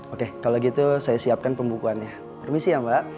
oke kalau gitu saya siapkan pembukuannya permisi ya mbak